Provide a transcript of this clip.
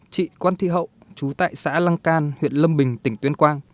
chị quân thị hậu chú tại xã lăng can huyện lâm bình tỉnh tuyên quang